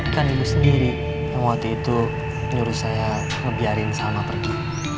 kan ibu sendiri yang waktu itu nyuruh saya ngebiarin salma pergi